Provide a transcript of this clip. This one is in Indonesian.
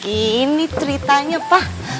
ini ceritanya pak